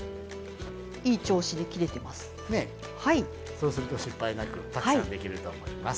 そうすると失敗なくたくさんできると思います。